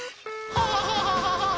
ハハハハハ！